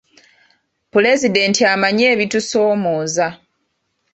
Pulezidenti amanyi ebitusoomooza.